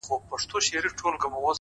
چي ته بېلېږې له خپل كوره څخه،